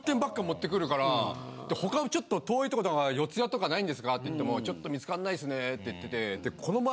で他のちょっと遠いとことか四谷とかないんですか？って言っても「ちょっと見つかんないすね」って言っててでこの前。